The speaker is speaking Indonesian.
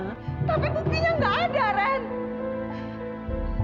tapi pastinya gak ada ren